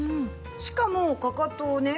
しかもかかとをね